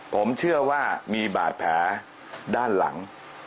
ผมเชื่อว่ามีบาดแผลด้านหลัง